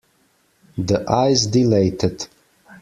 The eyes dilated.